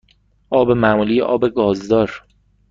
آب معمولی یا آب گازدار؟